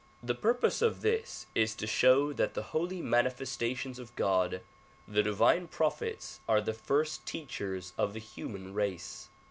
The purpose of this is to show that the holy manifestations of God, the divine prophets are the first teachers of the human race.